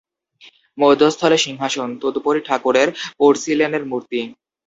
মধ্যস্থলে সিংহাসন, তদুপরি ঠাকুরের পোর্সিলেনের মূর্তি।